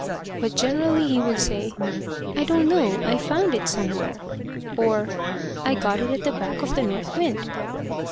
but generally he would say, "I don't know; I found it somewhere;" or "I got it at the back of the north wind."